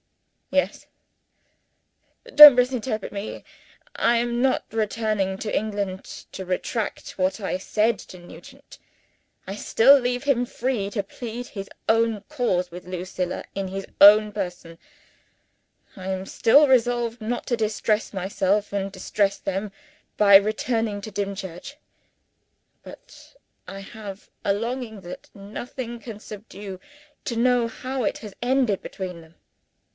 "Yes. Don't misinterpret me! I am not returning to England to retract what I said to Nugent. I still leave him free to plead his own cause with Lucilla in his own person. I am still resolved not to distress myself and distress them, by returning to Dimchurch. But I have a longing that nothing can subdue, to know how it has ended between them.